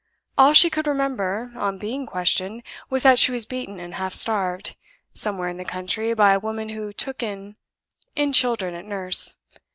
All she could remember, on being questioned, was that she was beaten and half starved, somewhere in the country, by a woman who took in children at nurse.